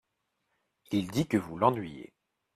Il dit que vous l’ennuyez.